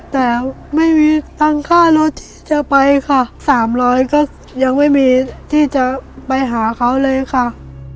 แต่ไม่มีตังค์ค่ารถที่จะไปค่ะ๓๐๐ก็ยังไม่มีที่จะไปหาเขาเลยค่ะ